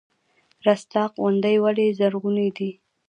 رستاق غونډۍ ولې زرغونې دي؟